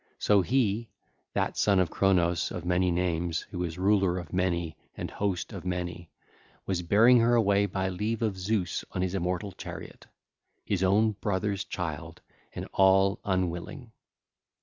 So he, that Son of Cronos, of many names, who is Ruler of Many and Host of Many, was bearing her away by leave of Zeus on his immortal chariot—his own brother's child and all unwilling.